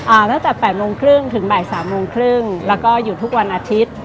ตั้งแต่แปดโมงครึ่งถึงบ่ายสามโมงครึ่งแล้วก็หยุดทุกวันอาทิตย์